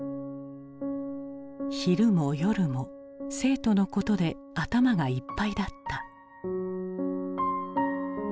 昼も夜も生徒のことで頭がいっぱいだった。